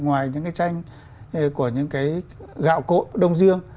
ngoài những cái tranh của những cái gạo cộ đông dương